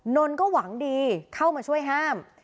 นนท์ก็หวังดีเข้ามาช่วยห้าม